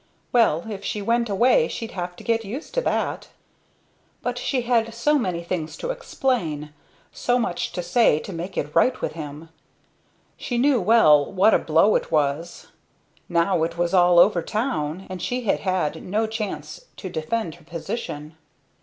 Well if she went away she'd have to get used to that. But she had so many things to explain, so much to say to make it right with him; she knew well what a blow it was. Now it was all over town and she had had no chance to defend her position.